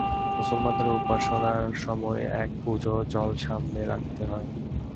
মুসলমানদের উপাসনার সময় এক কুঁজো জল সামনে রাখতে হয়।